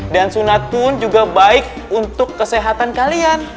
dan sunat pun juga baik untuk kesehatan kalian